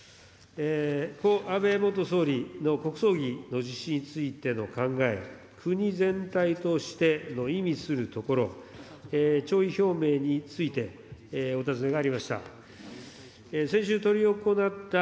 故・安倍元総理の国葬儀の実施についての考え、国全体としての意味するところ、弔意表明についてお尋ねがありました。